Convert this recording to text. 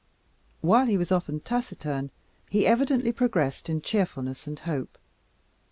While he was often taciturn, he evidently progressed in cheerfulness and hope.